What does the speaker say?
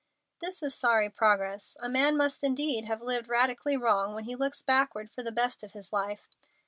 This is sorry progress. A man must indeed have lived radically wrong when he looks backward for the best of his life.